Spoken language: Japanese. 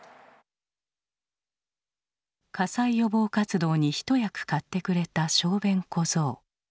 火災予防活動に一役買ってくれた小便小僧。